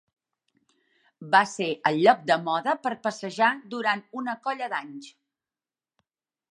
Va ser el lloc de moda per passejar durant una colla d'anys.